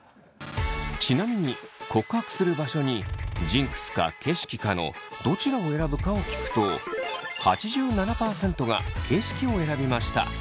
ちなみに告白する場所にジンクスか景色かのどちらを選ぶかを聞くと８７％が景色を選びました。